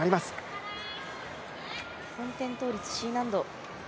四点倒立、Ｃ難度。